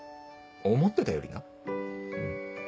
思ってたよりなうん。